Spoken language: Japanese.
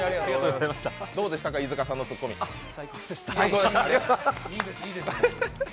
どうでしたか、飯塚さんのツッコミ最高でした。